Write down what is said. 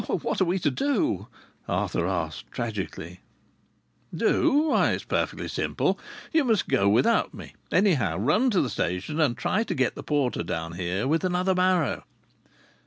"What are we to do?" Arthur asked tragically. "Do? Why, it's perfectly simple! You must go without me. Anyhow, run to the station, and try to get the porter down here with another barrow."